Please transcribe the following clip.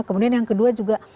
kemudian yang kedua juga